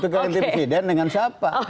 ganti presiden dengan siapa